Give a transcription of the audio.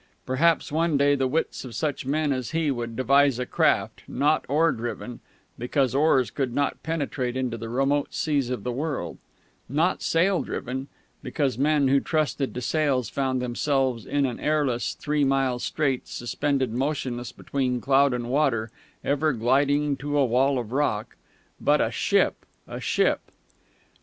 Perhaps one day the wits of such men as he would devise a craft, not oar driven (because oars could not penetrate into the remote seas of the world) not sail driven (because men who trusted to sails found themselves in an airless, three mile strait, suspended motionless between cloud and water, ever gliding to a wall of rock) but a ship ... a ship